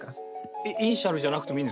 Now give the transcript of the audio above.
えイニシャルじゃなくてもいいんですか。